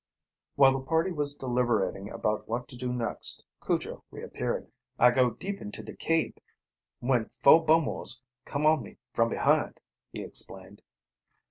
While the party was deliberating about what to do next, Cujo reappeared. "I go deep into de cabe when foah Bumwos come on me from behind," he explained.